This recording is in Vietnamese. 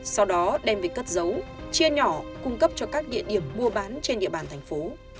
sau đó đem về cất dấu chia nhỏ cung cấp cho các địa điểm mua bán trên địa bàn thành phố